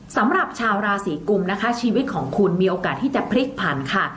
สำหรับชาวราศีกุมนะคะชีวิตของคุณมีโอกาสที่จะพลิกผันค่ะ